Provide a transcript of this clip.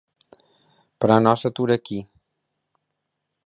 Però no s'atura aquí.